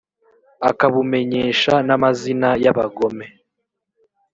akabumenyesha n amazina y abagome